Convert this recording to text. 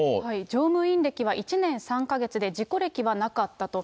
乗務員歴は１年３か月で、事故歴はなかったと。